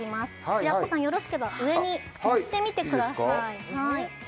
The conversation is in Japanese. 平子さんよろしければ上に乗ってみてくださいいいですか？